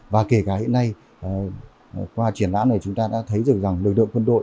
và kể cả hiện nay qua triển lãm này chúng ta đã thấy được rằng lực lượng quân đội